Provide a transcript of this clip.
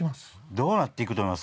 どうなっていくと思います？